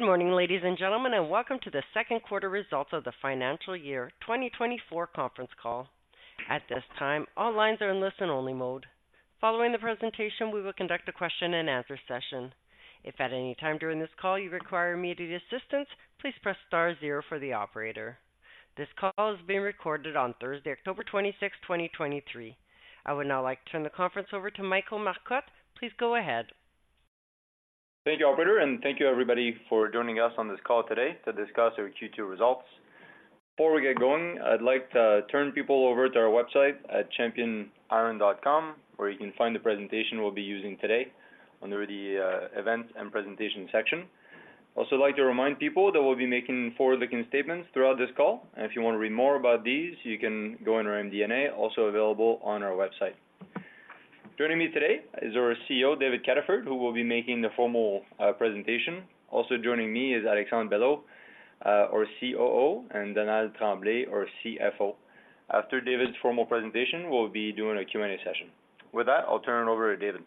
Good morning, ladies and gentlemen, and welcome to the second quarter results of the financial year 2024 conference call. At this time, all lines are in listen-only mode. Following the presentation, we will conduct a question-and-answer session. If at any time during this call you require immediate assistance, please press star zero for the operator. This call is being recorded on Thursday, October 26th, 2023. I would now like to turn the conference over to Michael Marcotte. Please go ahead. Thank you, operator, and thank you everybody for joining us on this call today to discuss our Q2 results. Before we get going, I'd like to turn people over to our website at championiron.com, where you can find the presentation we'll be using today under the Events and Presentation section. Also, I'd like to remind people that we'll be making forward-looking statements throughout this call, and if you want to read more about these, you can go on our MD&A, also available on our website. Joining me today is our CEO, David Cataford, who will be making the formal presentation. Also joining me is Alexandre Belleau, our COO, and Donald Tremblay, our CFO. After David's formal presentation, we'll be doing a Q&A session. With that, I'll turn it over to David.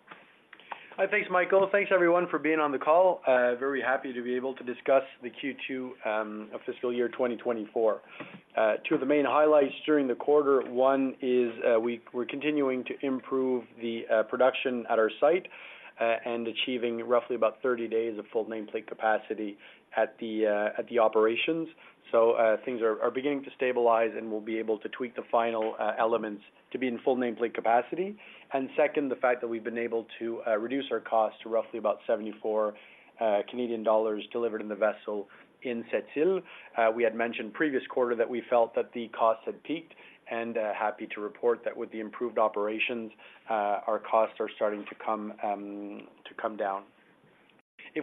Thanks, Michael. Thanks, everyone, for being on the call. Very happy to be able to discuss the Q2 of fiscal year 2024. Two of the main highlights during the quarter, one is, we're continuing to improve the production at our site, and achieving roughly about 30 days of full nameplate capacity at the operations. Things are beginning to stabilize, and we'll be able to tweak the final elements to be in full nameplate capacity. Second, the fact that we've been able to reduce our costs to roughly about 74 Canadian dollars delivered in the vessel in Sept-Îles. We had mentioned previous quarter that we felt that the costs had peaked, and happy to report that with the improved operations, our costs are starting to come down. If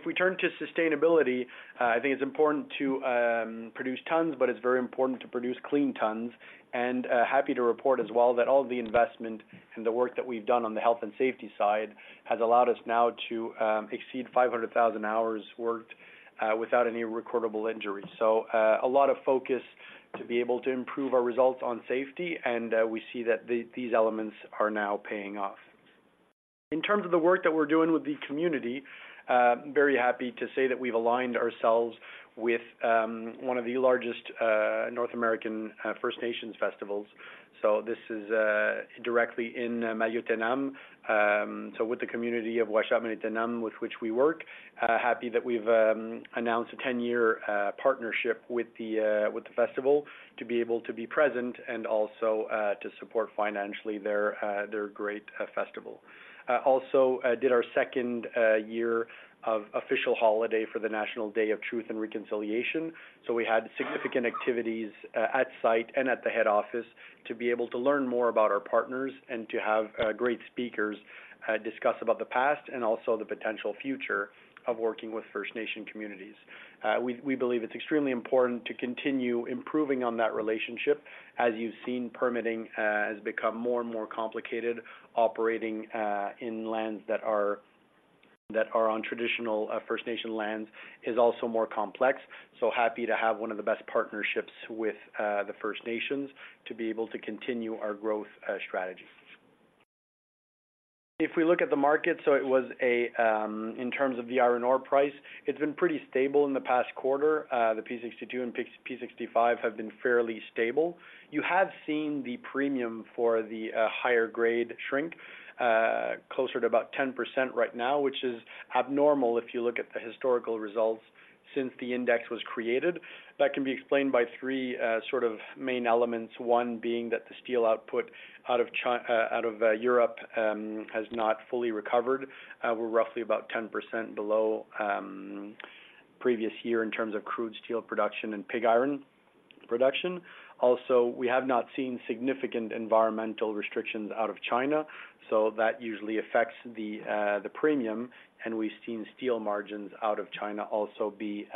we turn to sustainability, I think it's important to produce tons, but it's very important to produce clean tons. And happy to report as well that all the investment and the work that we've done on the health and safety side has allowed us now to exceed 500,000 hours worked without any recordable injuries. So a lot of focus to be able to improve our results on safety, and we see that these elements are now paying off. In terms of the work that we're doing with the community, very happy to say that we've aligned ourselves with one of the largest North American First Nations festivals. So this is directly in Maliotenam, so with the community of Uashat Maliotenam, with which we work. Happy that we've announced a 10-year partnership with the festival to be able to be present and also to support financially their great festival. Also did our second year of official holiday for the National Day of Truth and Reconciliation. So we had significant activities at site and at the head office to be able to learn more about our partners and to have great speakers discuss about the past and also the potential future of working with First Nation communities. We believe it's extremely important to continue improving on that relationship. As you've seen, permitting has become more and more complicated. Operating in lands that are on traditional First Nation lands is also more complex. So happy to have one of the best partnerships with the First Nations to be able to continue our growth strategy. If we look at the market, in terms of the iron ore price, it's been pretty stable in the past quarter. The P62 and P65 have been fairly stable. You have seen the premium for the higher grade shrink closer to about 10% right now, which is abnormal if you look at the historical results since the index was created. That can be explained by three sort of main elements, one being that the steel output out of Europe has not fully recovered. We're roughly about 10% below previous year in terms of crude steel production and pig iron production. Also, we have not seen significant environmental restrictions out of China, so that usually affects the premium, and we've seen steel margins out of China also be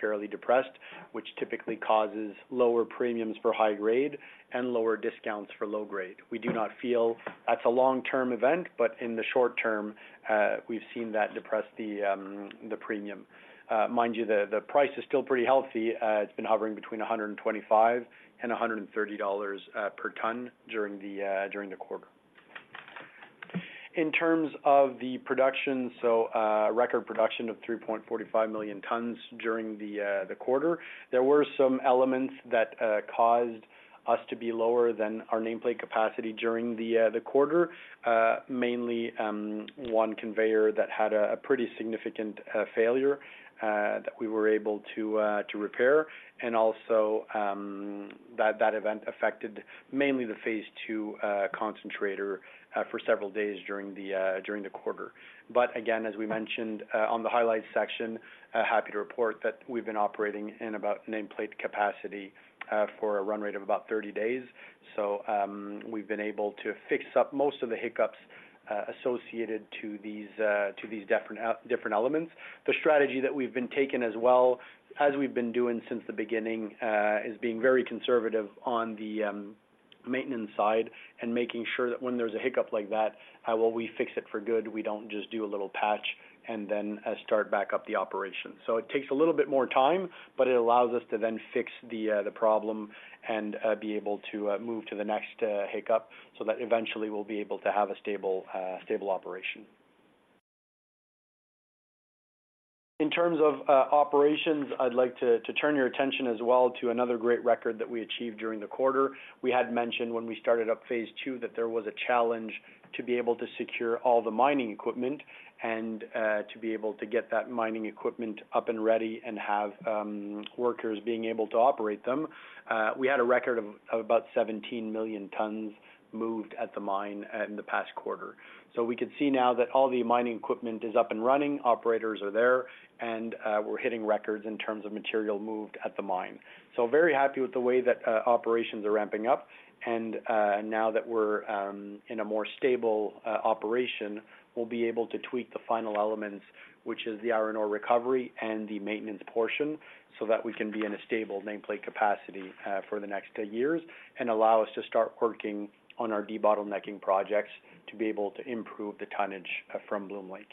fairly depressed, which typically causes lower premiums for high grade and lower discounts for low grade. We do not feel that's a long-term event, but in the short term, we've seen that depress the premium. Mind you, the price is still pretty healthy. It's been hovering between $125 and $130 per ton during the quarter. In terms of the production, so, record production of 3,450,000 tons during the quarter. There were some elements that caused us to be lower than our nameplate capacity during the quarter. Mainly, one conveyor that had a pretty significant failure that we were able to repair, and also, that event affected mainly the phase two concentrator for several days during the quarter. Again, as we mentioned on the highlights section, happy to report that we've been operating in about nameplate capacity for a run rate of about 30 days. We've been able to fix up most of the hiccups associated to these different elements. The strategy that we've been taking as well, as we've been doing since the beginning, is being very conservative on the maintenance side and making sure that when there's a hiccup like that, well, we fix it for good. We don't just do a little patch and then start back up the operation. So it takes a little bit more time, but it allows us to then fix the problem and be able to move to the next hiccup, so that eventually we'll be able to have a stable stable operation. In terms of operations, I'd like to turn your attention as well to another great record that we achieved during the quarter. We had mentioned when we started up phase two, that there was a challenge to be able to secure all the mining equipment and to be able to get that mining equipment up and ready and have workers being able to operate them. We had a record of about 17,000,000 tons moved at the mine in the past quarter. So we could see now that all the mining equipment is up and running, operators are there, and we're hitting records in terms of material moved at the mine. So very happy with the way that operations are ramping up, and now that we're in a more stable operation, we'll be able to tweak the final elements, which is the iron ore recovery and the maintenance portion, so that we can be in a stable nameplate capacity for the next years, and allow us to start working on our debottlenecking projects to be able to improve the tonnage from Bloom Lake.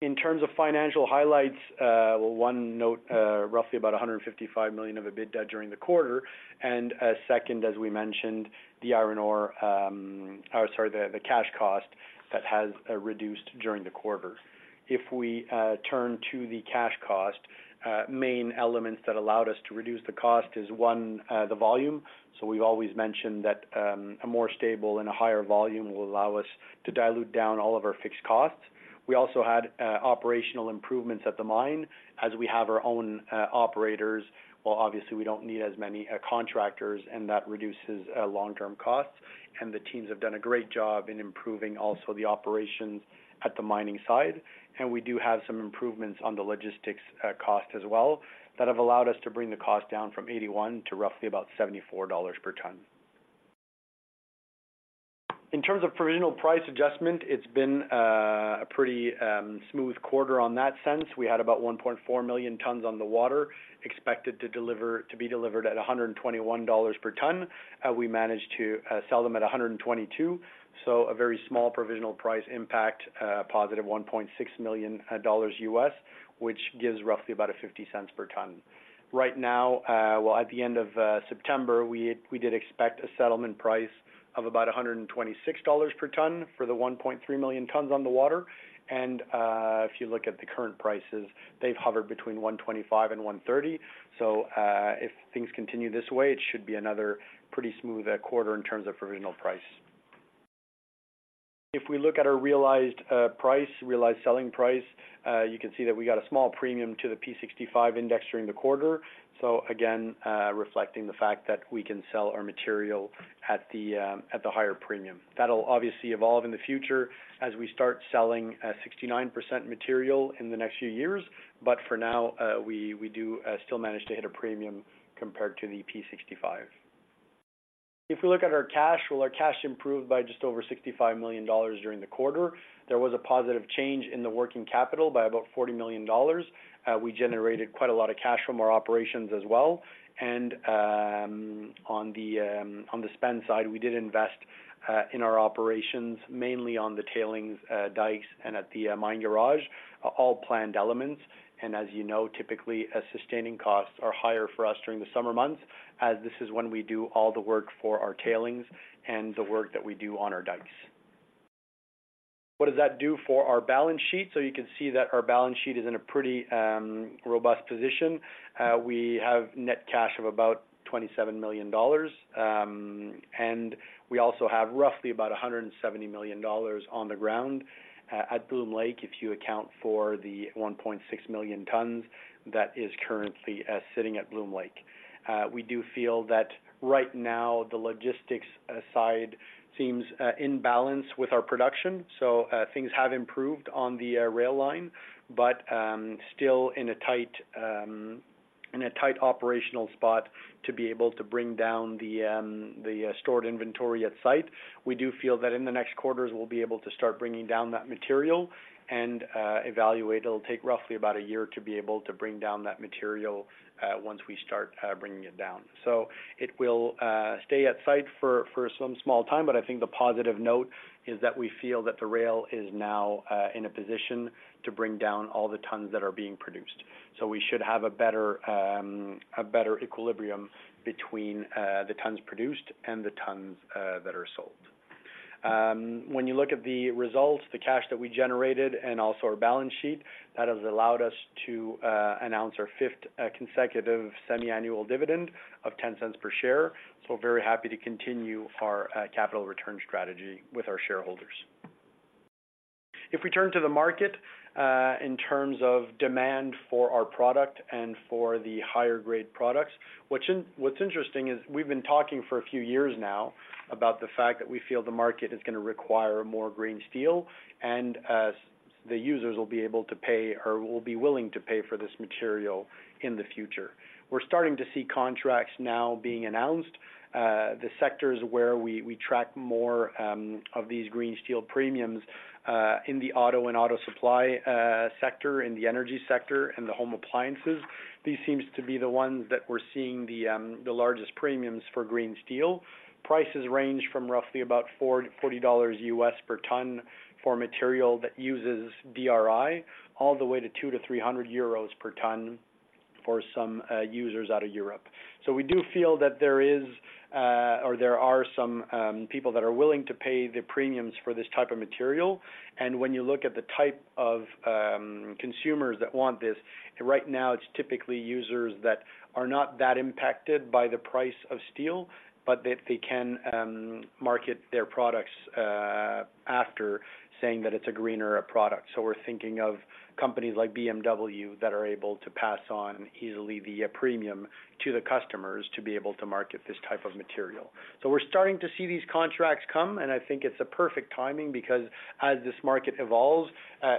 In terms of financial highlights, well, one note, roughly about 155,000,000 of EBITDA during the quarter, and second, as we mentioned, the cash cost that has reduced during the quarter. If we turn to the cash cost, main elements that allowed us to reduce the cost is, one, the volume. So we've always mentioned that, a more stable and a higher volume will allow us to dilute down all of our fixed costs. We also had operational improvements at the mine. As we have our own operators, well, obviously, we don't need as many contractors, and that reduces long-term costs. And the teams have done a great job in improving also the operations at the mining site. We do have some improvements on the logistics cost as well, that have allowed us to bring the cost down from $81 to roughly about $74 per ton. In terms of provisional price adjustment, it's been a pretty smooth quarter on that sense. We had about 1,400,000 tons on the water, expected to be delivered at $121 per ton. We managed to sell them at $122, so a very small provisional price impact, positive $1,600,000, which gives roughly about $0.50 per ton. Right now, well, at the end of September, we did expect a settlement price of about $126 per ton for the 1,300,000 tons on the water. If you look at the current prices, they've hovered between $125 and $130. If things continue this way, it should be another pretty smooth quarter in terms of provisional price. If we look at our realized price, realized selling price, you can see that we got a small premium to the P65 Index during the quarter. Again, reflecting the fact that we can sell our material at the higher premium. That'll obviously evolve in the future as we start selling 69% material in the next few years, but for now, we do still manage to hit a premium compared to the P65. If we look at our cash, well, our cash improved by just over 65,000,000 dollars during the quarter. There was a positive change in the working capital by about 40,000,000 dollars. We generated quite a lot of cash from our operations as well. On the spend side, we did invest in our operations, mainly on the tailings dikes and at the mine garage, all planned elements. As you know, typically, sustaining costs are higher for us during the summer months, as this is when we do all the work for our tailings and the work that we do on our dikes. What does that do for our balance sheet? You can see that our balance sheet is in a pretty robust position. We have net cash of about 27,000,000 dollars, and we also have roughly about 170,000,000 dollars on the ground at Bloom Lake, if you account for the 1,600,000 tons that is currently sitting at Bloom Lake. We do feel that right now, the logistics side seems in balance with our production, so things have improved on the rail line, but still in a tight operational spot to be able to bring down the stored inventory at site. We do feel that in the next quarters, we'll be able to start bringing down that material and evaluate. It'll take roughly about a year to be able to bring down that material once we start bringing it down. So it will stay at site for some small time, but I think the positive note is that we feel that the rail is now in a position to bring down all the tons that are being produced. So we should have a better equilibrium between the tons produced and the tons that are sold. When you look at the results, the cash that we generated and also our balance sheet, that has allowed us to announce our fifth consecutive semiannual dividend of 0.10 per share. So very happy to continue our capital return strategy with our shareholders. If we turn to the market, in terms of demand for our product and for the higher grade products, what's interesting is we've been talking for a few years now about the fact that we feel the market is going to require more green steel, and, the users will be able to pay or will be willing to pay for this material in the future. We're starting to see contracts now being announced. The sectors where we track more of these green steel premiums, in the auto and auto supply sector, in the energy sector, and the home appliances. These seems to be the ones that we're seeing the largest premiums for green steel. Prices range from roughly about $40 per ton for material that uses DRI, all the way to 200-300 euros per ton for some users out of Europe. So we do feel that there is or there are some people that are willing to pay the premiums for this type of material. And when you look at the type of consumers that want this, right now, it's typically users that are not that impacted by the price of steel, but that they can market their products after saying that it's a greener product. So we're thinking of companies like BMW that are able to pass on easily the premium to the customers to be able to market this type of material. So we're starting to see these contracts come, and I think it's a perfect timing because as this market evolves,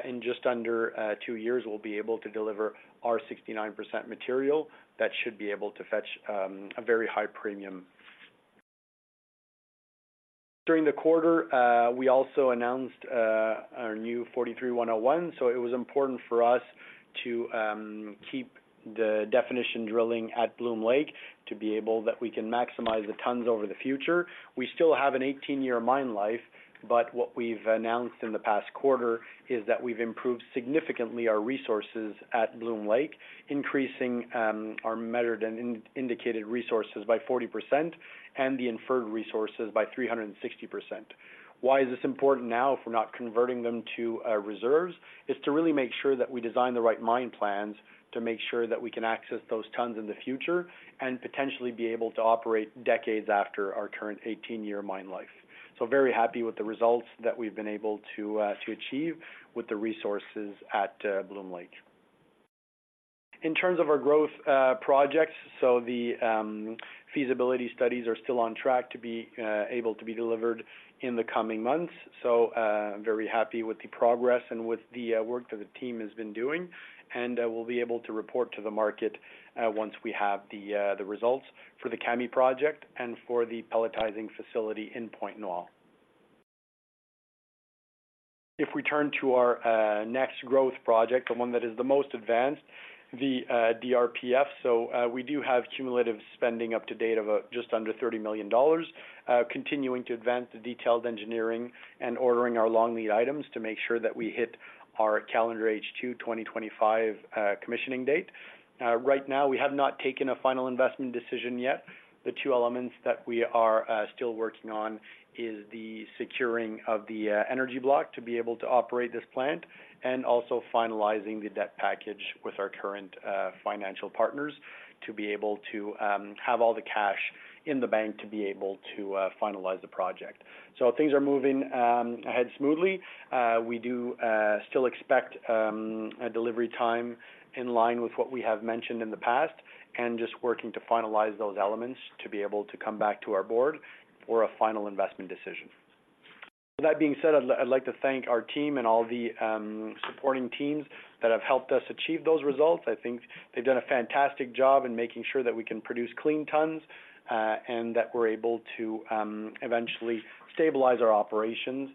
in just under 2 years, we'll be able to deliver our 69% material. That should be able to fetch a very high premium. During the quarter, we also announced our new 43-101. So it was important for us to keep the definition drilling at Bloom Lake to be able that we can maximize the tons over the future. We still have an 18-year mine life, but what we've announced in the past quarter is that we've improved significantly our resources at Bloom Lake, increasing our measured and indicated resources by 40% and the inferred resources by 360%. Why is this important now if we're not converting them to reserves? It's to really make sure that we design the right mine plans to make sure that we can access those tons in the future and potentially be able to operate decades after our current 18-year mine life. So very happy with the results that we've been able to achieve with the resources at Bloom Lake. In terms of our growth projects, so the feasibility studies are still on track to be able to be delivered in the coming months. So very happy with the progress and with the work that the team has been doing, and we'll be able to report to the market once we have the results for the Kami project and for the pelletizing facility in Pointe-Noire. If we turn to our next growth project, the one that is the most advanced, the DRPF. So, we do have cumulative spending up to date of just under 30,000,000 dollars, continuing to advance the detailed engineering and ordering our long lead items to make sure that we hit our calendar H2 2025 commissioning date. Right now, we have not taken a final investment decision yet. The two elements that we are still working on is the securing of the energy block to be able to operate this plant, and also finalizing the debt package with our current financial partners, to be able to have all the cash in the bank to be able to finalize the project. So things are moving ahead smoothly. We do still expect a delivery time in line with what we have mentioned in the past, and just working to finalize those elements to be able to come back to our board for a final investment decision. With that being said, I'd like, I'd like to thank our team and all the supporting teams that have helped us achieve those results. I think they've done a fantastic job in making sure that we can produce clean tons, and that we're able to eventually stabilize our operations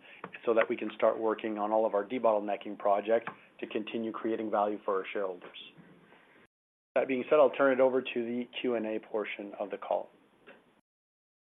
so that we can start working on all of our debottlenecking projects to continue creating value for our shareholders. That being said, I'll turn it over to the Q&A portion of the call.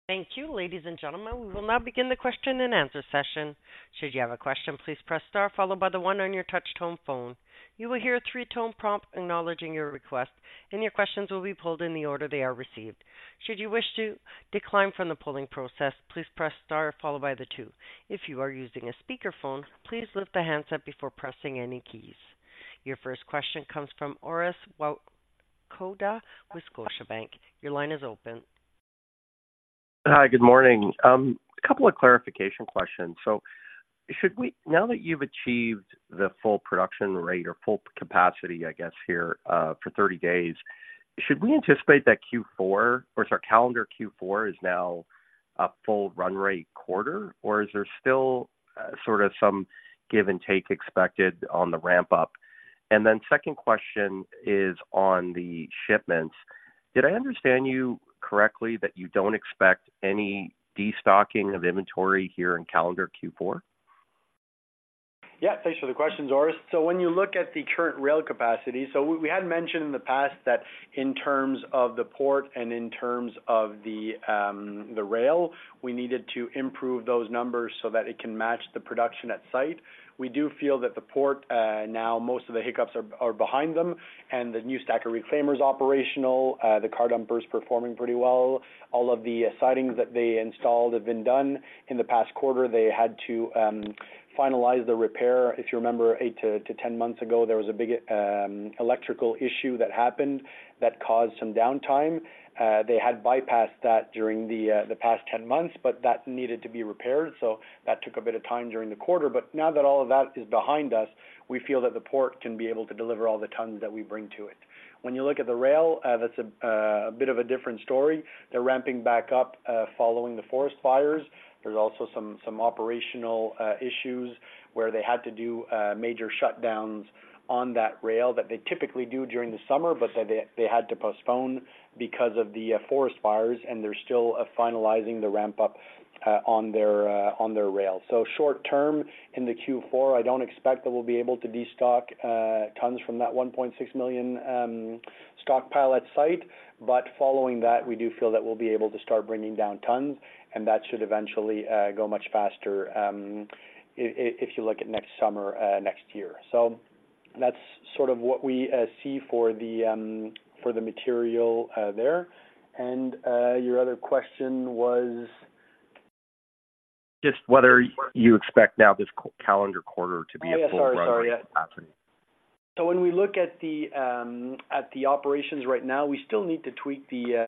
Thank you. Ladies and gentlemen, we will now begin the question and answer session. Should you have a question, please press Star, followed by the one on your touch tone phone. You will hear a three-tone prompt acknowledging your request, and your questions will be pulled in the order they are received. Should you wish to decline from the polling process, please press Star, followed by the two. If you are using a speakerphone, please lift the handset before pressing any keys. Your first question comes from Orest Wowkodaw with Scotiabank. Your line is open. Hi, good morning. A couple of clarification questions. Now that you've achieved the full production rate or full capacity, I guess, here, for 30 days, should we anticipate that Q4, or sorry, calendar Q4 is now a full run rate quarter, or is there still sort of some give and take expected on the ramp-up? And then second question is on the shipments. Did I understand you correctly, that you don't expect any destocking of inventory here in calendar Q4? Yeah, thanks for the questions, Orest. So when you look at the current rail capacity, so we had mentioned in the past that in terms of the port and in terms of the rail, we needed to improve those numbers so that it can match the production at site. We do feel that the port now most of the hiccups are behind them, and the new stacker reclaimer is operational, the car dumper is performing pretty well. All of the sidings that they installed have been done. In the past quarter, they had to finalize the repair. If you remember, 8-10 months ago, there was a big electrical issue that happened that caused some downtime. They had bypassed that during the past 10 months, but that needed to be repaired, so that took a bit of time during the quarter. But now that all of that is behind us, we feel that the port can be able to deliver all the tons that we bring to it. When you look at the rail, that's a bit of a different story. They're ramping back up following the forest fires. There's also some operational issues where they had to do major shutdowns on that rail that they typically do during the summer, but they had to postpone because of the forest fires, and they're still finalizing the ramp-up on their rail. So short term, in the Q4, I don't expect that we'll be able to destock, tons from that 1,600,000 stockpile at site. But following that, we do feel that we'll be able to start bringing down tons, and that should eventually, go much faster, if you look at next summer, next year. That's sort of what we, see for the, for the material, there. And, your other question was? Just whether you expect now this calendar quarter to be a full run capacity? Yeah, sorry, sorry. Yeah. So when we look at the operations right now, we still need to tweak the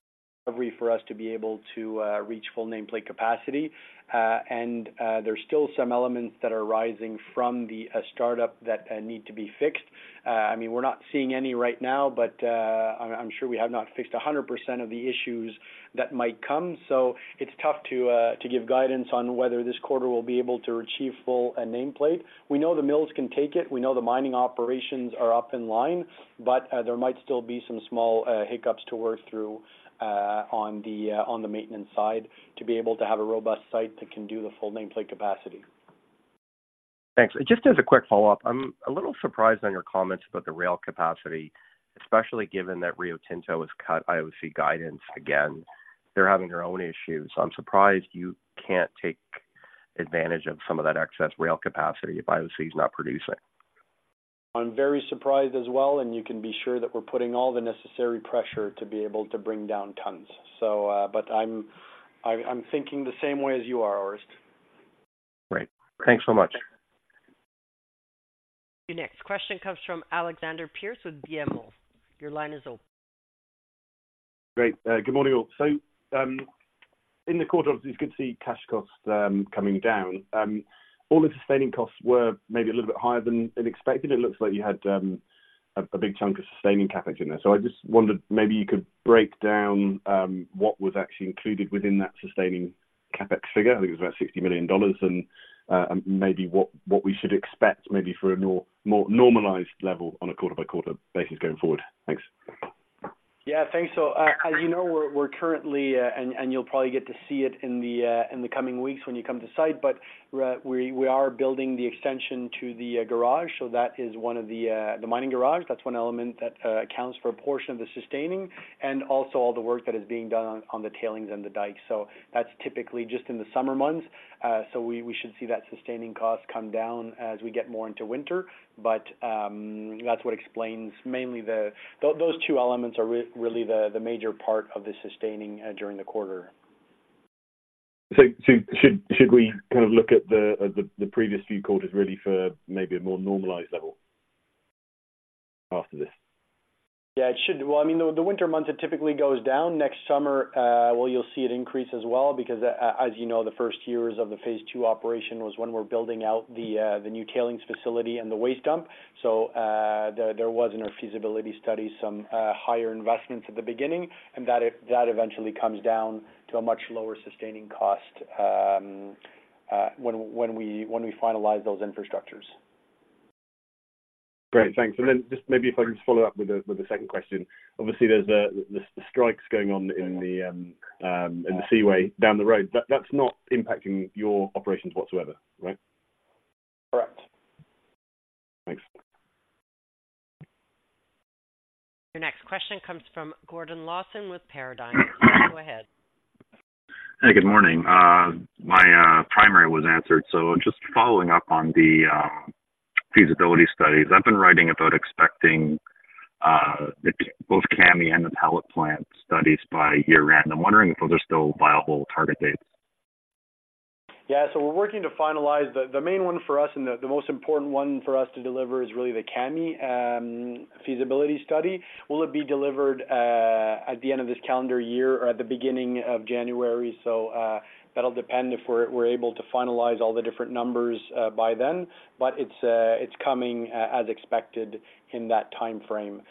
recovery for us to be able to reach full nameplate capacity. And, there's still some elements that are arising from the startup that need to be fixed. I mean, we're not seeing any right now, but I'm sure we have not fixed 100% of the issues that might come. So it's tough to give guidance on whether this quarter will be able to achieve full nameplate. We know the mills can take it, we know the mining operations are up in line, but there might still be some small hiccups to work through on the maintenance side to be able to have a robust site that can do the full nameplate capacity. Thanks. Just as a quick follow-up, I'm a little surprised on your comments about the rail capacity, especially given that Rio Tinto has cut IOC guidance again. They're having their own issues. I'm surprised you can't take advantage of some of that excess rail capacity if IOC is not producing. I'm very surprised as well, and you can be sure that we're putting all the necessary pressure to be able to bring down tons. So, but I'm thinking the same way as you are, Orest. Great. Thanks so much. Your next question comes from Alexander Pearce with BMO. Your line is open. Great, good morning, all. So, in the quarter, obviously, you could see cash costs, coming down. All the sustaining costs were maybe a little bit higher than expected. It looks like you had, a big chunk of sustaining CapEx in there. So I just wondered, maybe you could break down, what was actually included within that sustaining CapEx figure. I think it was about 60,000,000 dollars, and, and maybe what we should expect maybe for a more normalized level on a quarter by quarter basis going forward. Thanks. Yeah, thanks. So, as you know, we're currently, and you'll probably get to see it in the coming weeks when you come to site, but we are building the extension to the garage. So that is one of the mining garage. That's one element that accounts for a portion of the sustaining, and also all the work that is being done on the tailings and the dikes. So that's typically just in the summer months. So we should see that sustaining cost come down as we get more into winter. But that's what explains mainly those two elements are really the major part of the sustaining during the quarter. So, should we kind of look at the previous few quarters really for maybe a more normalized level after this? Yeah, it should. Well, I mean, the winter months, it typically goes down. Next summer, well, you'll see it increase as well, because as you know, the first years of the phase two operation was when we're building out the new tailings facility and the waste dump. So, there was, in our feasibility study, some higher investments at the beginning, and that eventually comes down to a much lower sustaining cost, when we finalize those infrastructures. Great, thanks. And then just maybe if I could just follow up with a second question. Obviously, there's the strikes going on in the seaway down the road. That's not impacting your operations whatsoever, right? Correct. Thanks. Your next question comes from Gordon Lawson with Paradigm. Go ahead. Hey, good morning. My primary was answered, so just following up on the feasibility studies. I've been writing about expecting both the Kami and the pellet plant studies by year-end. I'm wondering if those are still viable target dates. Yeah, so we're working to finalize. The main one for us and the most important one for us to deliver is really the Kami feasibility study. Will it be delivered at the end of this calendar year or at the beginning of January? So, that'll depend if we're able to finalize all the different numbers by then, but it's coming as expected in that time frame.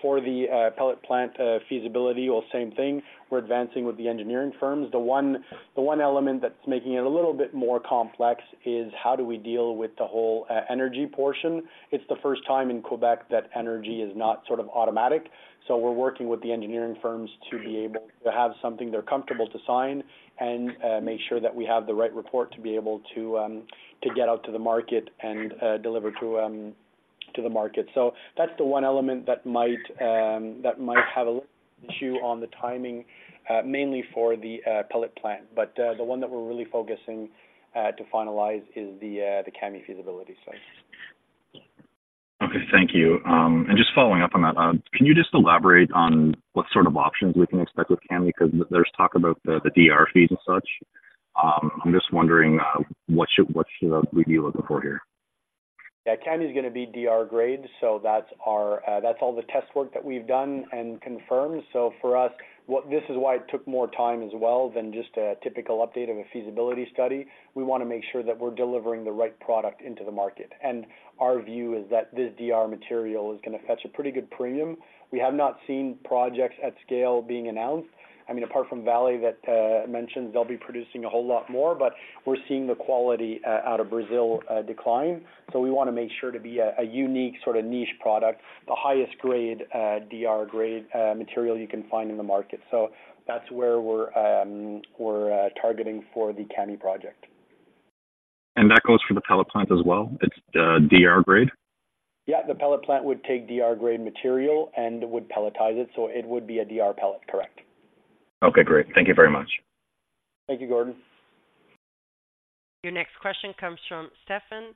For the pellet plant feasibility, well, same thing. We're advancing with the engineering firms. The one element that's making it a little bit more complex is, how do we deal with the whole energy portion? It's the first time in Quebec that energy is not sort of automatic. So we're working with the engineering firms to be able to have something they're comfortable to sign and make sure that we have the right report to be able to to get out to the market and deliver to to the market. So that's the one element that might that might have a little issue on the timing, mainly for the pellet plant. But the one that we're really focusing to finalize is the the Kami feasibility study. Okay, thank you. And just following up on that, can you just elaborate on what sort of options we can expect with Kami? Because there's talk about the DR fees and such. I'm just wondering what should we be looking for here? Yeah, Kami is going to be DR grade, so that's our, that's all the test work that we've done and confirmed. So for us, what this is why it took more time as well than just a typical update of a feasibility study. We want to make sure that we're delivering the right product into the market, and our view is that this DR material is going to fetch a pretty good premium. We have not seen projects at scale being announced. I mean, apart from Vale, that mentioned they'll be producing a whole lot more, but we're seeing the quality out of Brazil decline. So we want to make sure to be a unique, sort of niche product, the highest grade, DR grade, material you can find in the market. So that's where we're targeting for the Kami project. That goes for the pellet plant as well? It's the DR grade. Yeah, the pellet plant would take DR grade material and would pelletize it, so it would be a DR pellet. Correct. Okay, great. Thank you very much. Thank you, Gordon.... Your next question comes from Stefan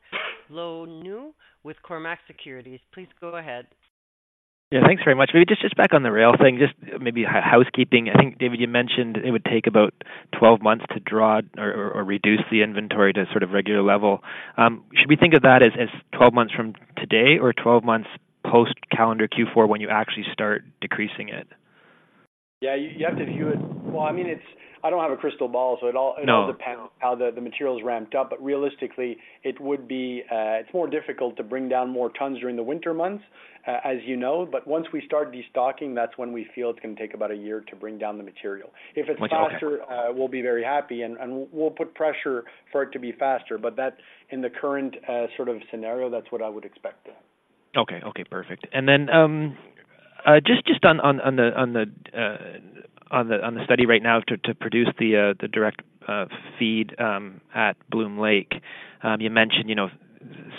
Ioannou with Cormark Securities. Please go ahead. Yeah, thanks very much. Maybe just back on the rail thing, just maybe housekeeping. I think, David, you mentioned it would take about 12 months to draw or reduce the inventory to sort of regular level. Should we think of that as 12 months from today or 12 months post-calendar Q4, when you actually start decreasing it? Yeah, you have to view it. Well, I mean, it's. I don't have a crystal ball, so it all- No. It all depends on how the material is ramped up, but realistically, it would be. It's more difficult to bring down more tons during the winter months, as you know. But once we start destocking, that's when we feel it's going to take about a year to bring down the material. Okay. If it's faster, we'll be very happy, and we'll put pressure for it to be faster. But that's in the current, sort of scenario, that's what I would expect. Okay. Okay, perfect. And then, just on the study right now to produce the direct feed at Bloom Lake. You mentioned, you know,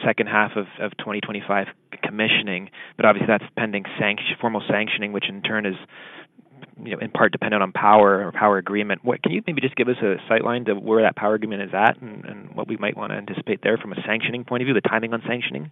second half of 2025 commissioning, but obviously that's pending sanctioning, formal sanctioning, which in turn is, you know, in part dependent on power agreement. What can you maybe just give us a timeline to where that power agreement is at and what we might want to anticipate there from a sanctioning point of view, the timing on sanctioning?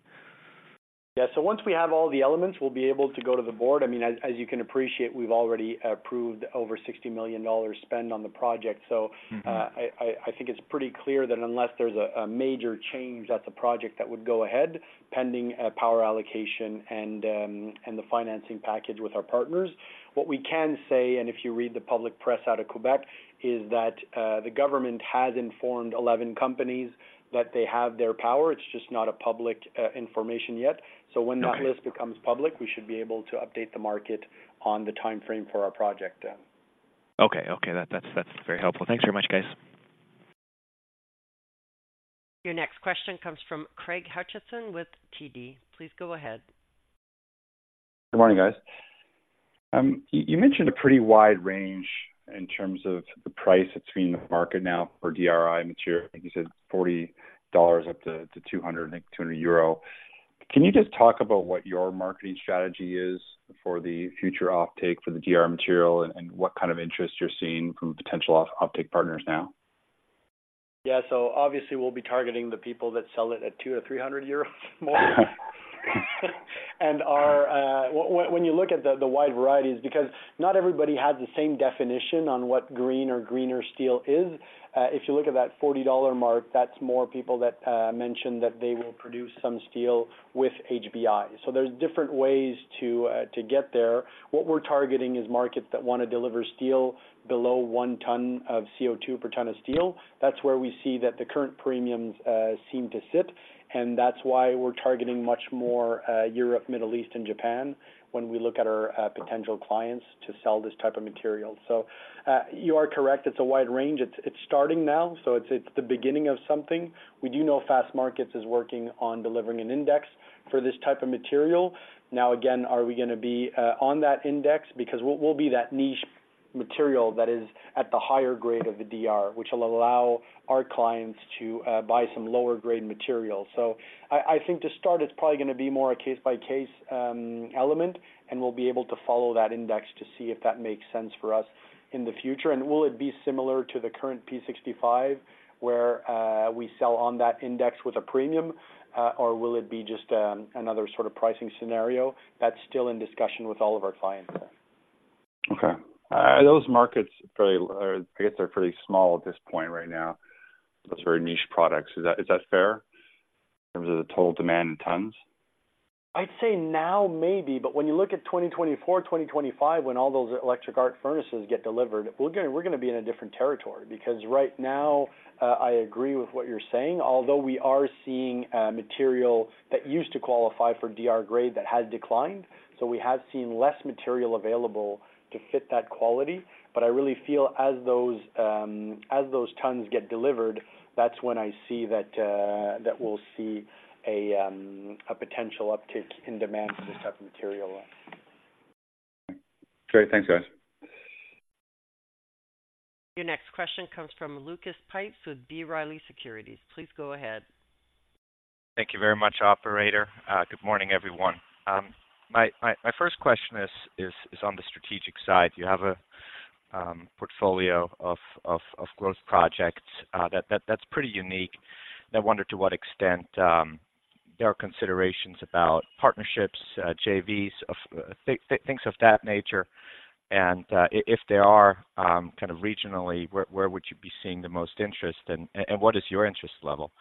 Yeah. So once we have all the elements, we'll be able to go to the board. I mean, as you can appreciate, we've already approved over 60,000,000 dollars spend on the project. Mm-hmm. So, I think it's pretty clear that unless there's a major change, that's a project that would go ahead pending a power allocation and the financing package with our partners. What we can say, and if you read the public press out of Quebec, is that the government has informed eleven companies that they have their power. It's just not a public information yet. Okay. When that list becomes public, we should be able to update the market on the timeframe for our project then. Okay. Okay, that's, that's very helpful. Thanks very much, guys. Your next question comes from Craig Hutchison with TD. Please go ahead. Good morning, guys. You mentioned a pretty wide range in terms of the price between the market now for DRI material. I think you said $40 up to 200, I think 200 euro. Can you just talk about what your marketing strategy is for the future offtake for the DR material and what kind of interest you're seeing from potential offtake partners now? Yeah, so obviously we'll be targeting the people that sell it at 200-300 euros more. And our... When you look at the wide varieties, because not everybody has the same definition on what green or greener steel is. If you look at that $40 mark, that's more people that mentioned that they will produce some steel with HBI. So there's different ways to get there. What we're targeting is markets that want to deliver steel below one ton of CO2 per ton of steel. That's where we see that the current premiums seem to sit, and that's why we're targeting much more Europe, Middle East, and Japan when we look at our potential clients to sell this type of material. So, you are correct, it's a wide range. It's starting now, so it's the beginning of something. We do know Fastmarkets is working on delivering an index for this type of material. Now, again, are we going to be on that index? Because we'll be that niche material that is at the higher grade of the DR, which will allow our clients to buy some lower-grade material. So I think to start, it's probably going to be more a case-by-case element, and we'll be able to follow that index to see if that makes sense for us in the future. And will it be similar to the current P65, where we sell on that index with a premium, or will it be just another sort of pricing scenario? That's still in discussion with all of our clients. Okay. Those markets are fairly, I guess, are fairly small at this point right now. Those very niche products. Is that, is that fair in terms of the total demand in tons? I'd say now, maybe, but when you look at 2024, 2025, when all those electric arc furnaces get delivered, we're gonna be in a different territory. Because right now, I agree with what you're saying, although we are seeing a material that used to qualify for DR grade, that has declined. So we have seen less material available to fit that quality. But I really feel as those tons get delivered, that's when I see that we'll see a potential uptick in demand for this type of material. Great. Thanks, guys. Your next question comes from Lucas Pipes with B. Riley Securities. Please go ahead. Thank you very much, operator. Good morning, everyone. My first question is on the strategic side. You have a portfolio of growth projects that's pretty unique. I wonder to what extent there are considerations about partnerships, JVs, things of that nature. And if there are, kind of regionally, where would you be seeing the most interest, and what is your interest level?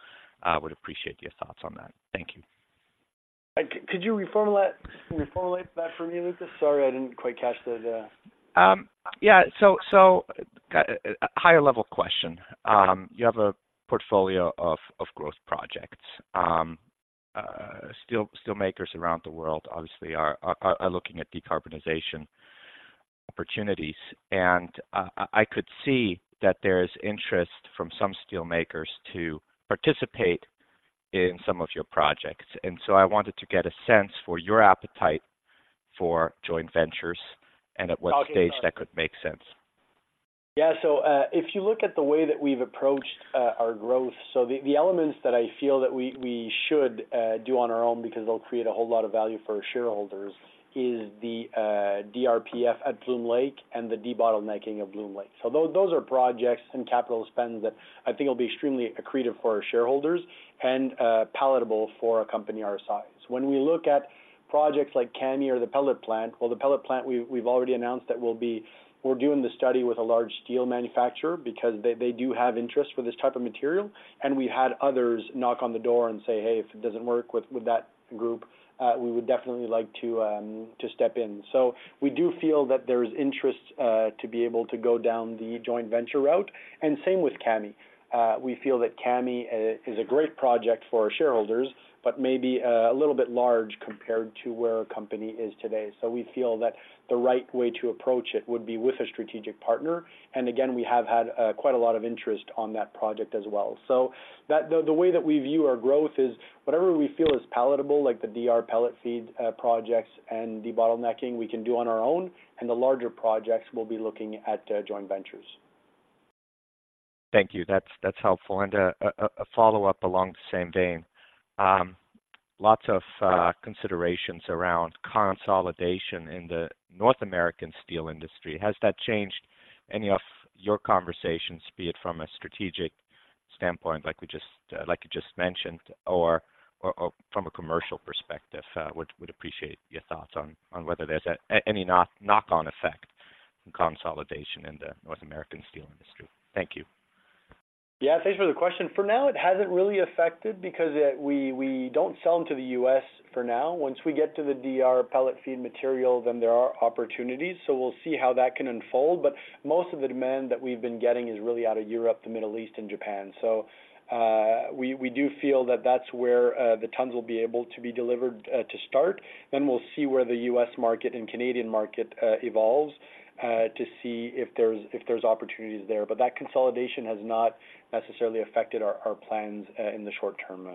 I would appreciate your thoughts on that. Thank you. Could you reformulate that for me, Lucas? Sorry, I didn't quite catch the. Yeah. So, a higher level question. Okay. You have a portfolio of growth projects. Steel makers around the world obviously are looking at decarbonization opportunities, and I could see that there is interest from some steel makers to participate in some of your projects. So I wanted to get a sense for your appetite for joint ventures and at what stage- Okay. That could make sense.... Yeah. So, if you look at the way that we've approached our growth, so the elements that I feel that we should do on our own because they'll create a whole lot of value for our shareholders, is the DRPF at Bloom Lake and the debottlenecking of Bloom Lake. So those are projects and capital spends that I think will be extremely accretive for our shareholders and palatable for a company our size. When we look at projects like Kami or the pellet plant, well, the pellet plant, we've already announced that we're doing the study with a large steel manufacturer because they do have interest for this type of material, and we had others knock on the door and say, "Hey, if it doesn't work with that group, we would definitely like to step in." So we do feel that there's interest to be able to go down the joint venture route, and same with Kami. We feel that Kami is a great project for our shareholders, but maybe a little bit large compared to where our company is today. So we feel that the right way to approach it would be with a strategic partner. And again, we have had quite a lot of interest on that project as well. So, the way that we view our growth is whatever we feel is palatable, like the DR pellet feed projects and debottlenecking, we can do on our own, and the larger projects, we'll be looking at joint ventures. Thank you. That's, that's helpful. A follow-up along the same vein. Lots of considerations around consolidation in the North American steel industry. Has that changed any of your conversations, be it from a strategic standpoint, like we just, like you just mentioned, or from a commercial perspective? Would appreciate your thoughts on whether there's any knock-on effect from consolidation in the North American steel industry. Thank you. Yeah, thanks for the question. For now, it hasn't really affected because we don't sell them to the U.S. for now. Once we get to the DR pellet feed material, then there are opportunities, so we'll see how that can unfold. But most of the demand that we've been getting is really out of Europe, the Middle East, and Japan. So, we do feel that that's where the tons will be able to be delivered to start. Then we'll see where the U.S. market and Canadian market evolves to see if there's opportunities there. But that consolidation has not necessarily affected our plans in the short term.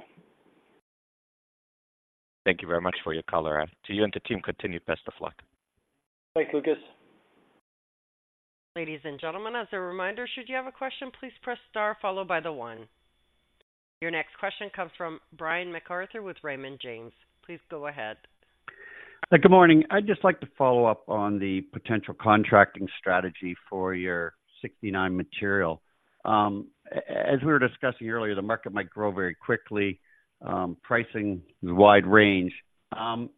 Thank you very much for your call. To you and the team, continued best of luck. Thanks, Lucas. Ladies and gentlemen, as a reminder, should you have a question, please press star followed by the 1. Your next question comes from Brian MacArthur with Raymond James. Please go ahead. Good morning. I'd just like to follow up on the potential contracting strategy for your 69 material. As we were discussing earlier, the market might grow very quickly. Pricing is a wide range.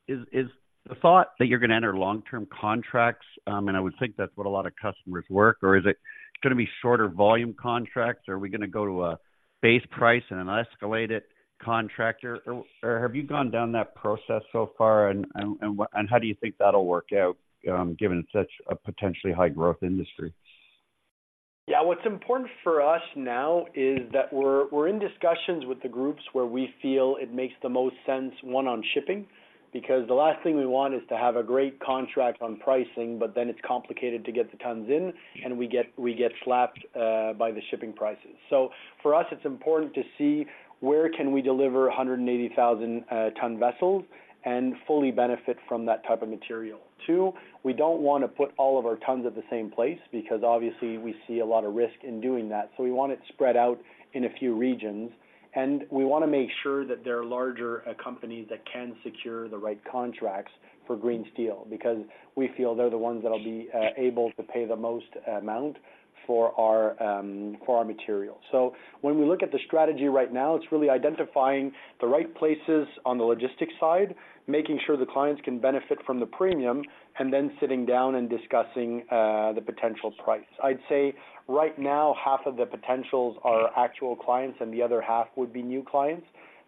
Is the thought that you're going to enter long-term contracts? And I would think that's what a lot of customers work, or is it going to be shorter volume contracts? Are we going to go to a base price and an escalated contractor? Or have you gone down that process so far, and what and how do you think that'll work out, given such a potentially high-growth industry? Yeah, what's important for us now is that we're in discussions with the groups where we feel it makes the most sense, one, on shipping, because the last thing we want is to have a great contract on pricing, but then it's complicated to get the tons in, and we get slapped by the shipping prices. So for us, it's important to see where can we deliver 180,000-ton vessels and fully benefit from that type of material. Two, we don't want to put all of our tons at the same place because obviously we see a lot of risk in doing that, so we want it spread out in a few regions. We want to make sure that there are larger companies that can secure the right contracts for green steel, because we feel they're the ones that will be able to pay the most amount for our material. So when we look at the strategy right now, it's really identifying the right places on the logistics side, making sure the clients can benefit from the premium, and then sitting down and discussing the potential price. I'd say right now, half of the potentials are actual clients and the other half would be new clients.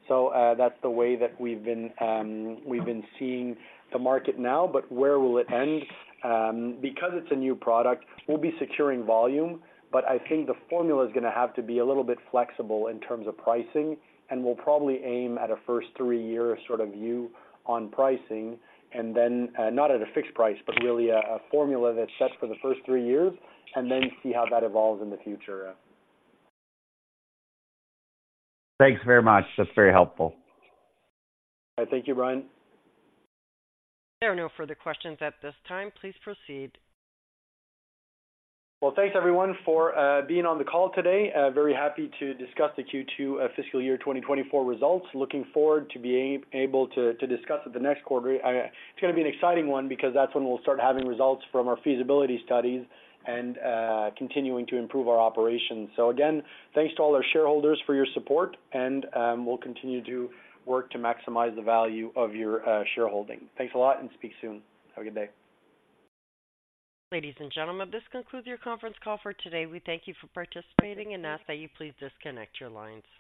So that's the way that we've been seeing the market now. But where will it end? Because it's a new product, we'll be securing volume, but I think the formula is going to have to be a little bit flexible in terms of pricing, and we'll probably aim at a first three-year sort of view on pricing, and then, not at a fixed price, but really a, a formula that's set for the first three years, and then see how that evolves in the future. Thanks very much. That's very helpful. Thank you, Brian. There are no further questions at this time. Please proceed. Well, thanks everyone for being on the call today. Very happy to discuss the Q2 fiscal year 2024 results. Looking forward to being able to discuss at the next quarter. It's going to be an exciting one because that's when we'll start having results from our feasibility studies and continuing to improve our operations. So again, thanks to all our shareholders for your support, and we'll continue to work to maximize the value of your shareholding. Thanks a lot, and speak soon. Have a good day. Ladies and gentlemen, this concludes your conference call for today. We thank you for participating and ask that you please disconnect your lines.